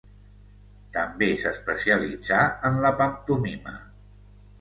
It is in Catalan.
També s'especialitzà en la pantomima.